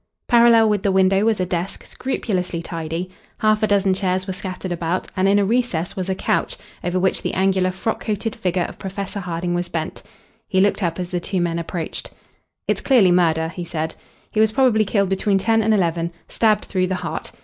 Parallel with the window was a desk, scrupulously tidy. Half a dozen chairs were scattered about, and in a recess was a couch, over which the angular frock coated figure of Professor Harding was bent. He looked up as the two men approached. "It's clearly murder," he said. "He was probably killed between ten and eleven stabbed through the heart.